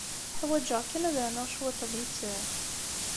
Ḥwaǧeɣ kan ad rnuɣ cwiṭ n litteɛ.